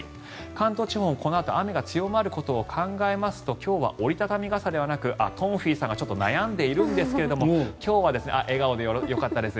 関東地方もこのあと雨が強まることを考えますと今日は折り畳み傘ではなく東輝さんがちょっと悩んでいるんですが笑顔でよかったです。